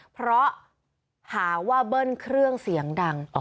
เพราะหาว่าเบิ้ลเครื่องเสียงดัง